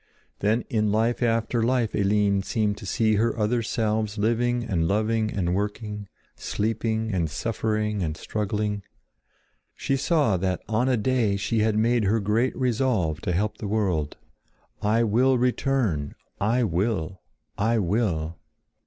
Then in life after life Eline seemed to see her other selves living and loving and working, sleeping and suffering and struggling. She saw that on a day she had made her great resolve to help the world. "I will return! I will! I will!"